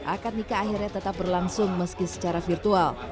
akad nikah akhirnya tetap berlangsung meski secara virtual